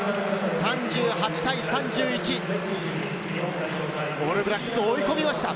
３８対３１、オールブラックスを追い込みました。